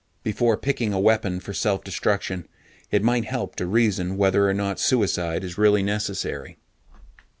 Before picking a weapon for self destruction, it might help to reason whether or not suicide is really necessary.